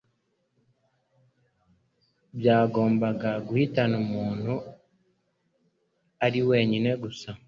byagombaga guhitana umuntu. Ari wenyine gusa,